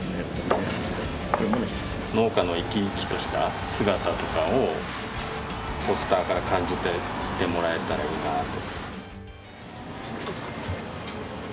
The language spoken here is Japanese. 農家の生き生きとした姿とかをポスターから感じていってもらえたらいいなと。